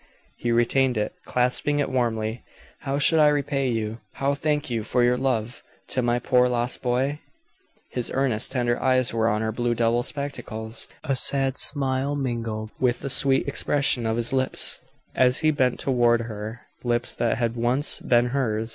He retained it, clasping it warmly. "How should I repay you how thank you for your love to my poor, lost boy?" His earnest, tender eyes were on her blue double spectacles; a sad smile mingled with the sweet expression of his lips as he bent toward her lips that had once been hers!